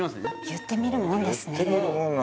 言ってみるもんです